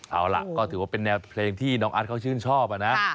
เอาล่ะก็ถือว่าเป็นแนวเพลงที่น้องอาร์ตเขาชื่นชอบนะ